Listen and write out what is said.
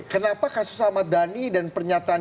kenapa kasus ahmad dhani dan pernyataan